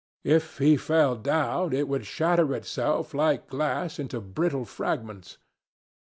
If he fell down it would shatter itself, like glass, into brittle fragments.